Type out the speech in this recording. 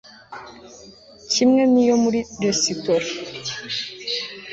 kimwe ni yo muri resitora